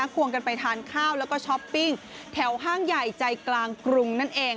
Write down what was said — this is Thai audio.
ควงกันไปทานข้าวแล้วก็ช้อปปิ้งแถวห้างใหญ่ใจกลางกรุงนั่นเอง